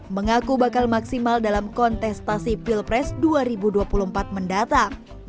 mengaku bakal maksimal dalam kontestasi pilpres dua ribu dua puluh empat mendatang